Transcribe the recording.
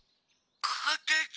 ☎こてつ。